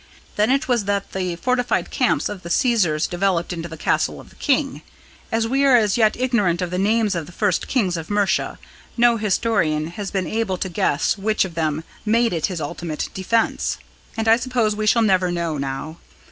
Then it was that the fortified camp of the Caesars developed into the castle of the king. As we are as yet ignorant of the names of the first kings of Mercia, no historian has been able to guess which of them made it his ultimate defence; and I suppose we shall never know now.